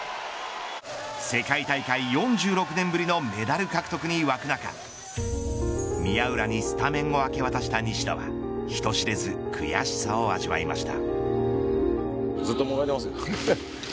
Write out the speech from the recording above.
世界大会４６年ぶりのメダル獲得に沸く中宮浦にスタメンを明け渡した西田は人知れず悔しさを味わいました。